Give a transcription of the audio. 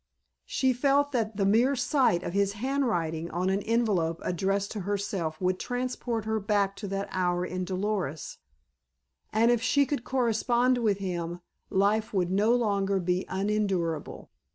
She felt that the mere sight of his handwriting on an envelope addressed to herself would transport her back to that hour in Dolores, and if she could correspond with him life would no longer be unendurable.